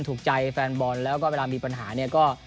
สู่ใจแฟนบร์นแล้วก็เวลามีปัญหาเนี่ย